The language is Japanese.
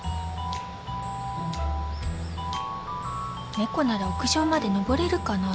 ねこなら屋上まで登れるかなあ？